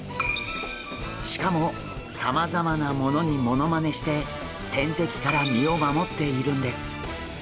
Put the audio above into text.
しかもさまざまなものにモノマネして天敵から身を守っているんです。